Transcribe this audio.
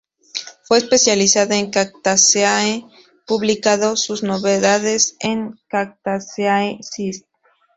Fue especialista en Cactaceae, publicando sus novedades en "Cactaceae Syst.